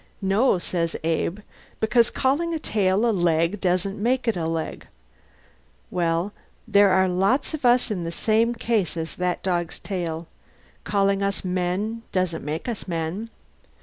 No, says Abe; because calling a tail a leg doesn't make it a leg. Well, there are lots of us in the same case as that dog's tail. Calling us men doesn't make us men.